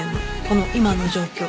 この今の状況。